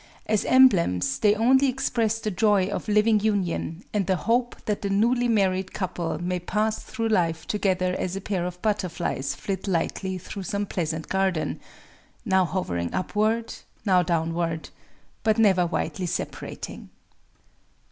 As emblems they only express the joy of living union, and the hope that the newly married couple may pass through life together as a pair of butterflies flit lightly through some pleasant garden,—now hovering upward, now downward, but never widely separating.